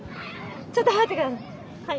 ちょっと待って下さい。